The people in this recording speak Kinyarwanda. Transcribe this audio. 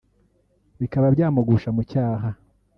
bikaba byamugusha mu cyaha